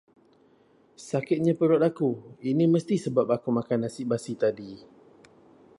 Sakitnya perut aku, ini mesti sebab aku makan nasi basi tadi.